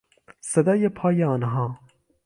صدای پای آنها